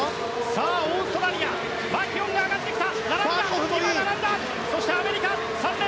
オーストラリアマキュオンが上がってきた。